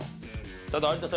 ただ有田さん